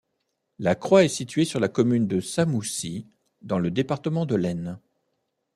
La croix est située sur la commune de Samoussy, dans le département de l'Aisne.